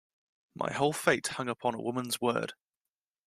My whole fate hung upon a woman's word.